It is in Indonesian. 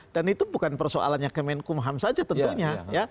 dan itu bukan persoalannya kemenkumham saja tentunya